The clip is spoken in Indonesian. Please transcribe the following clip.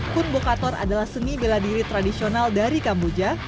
kun bokator adalah seni bela diri tradisional dari kamboja